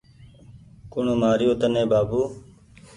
ڪوٚڻ مآري يو تني بآبو